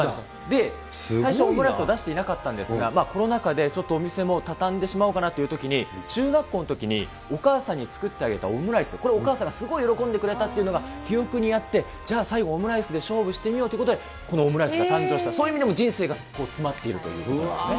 で、最初、オムライスは出していなかったんですが、コロナ禍でちょっとお店もたたんでしまおうかなと思ったときに、中学校のときにお母さんに作ってあげたオムライス、これをお母さんがすごい喜んでくれたっていうのが記憶にあって、じゃあ、最後オムライスで勝負してみようということで、このオムライスが誕生した、そういう意味でも人生が詰まっているということなんですね。